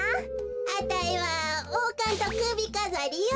あたいはおうかんとくびかざりよべ。